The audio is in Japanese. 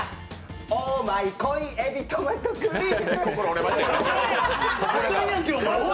オーマイこいえびトマトクリーム。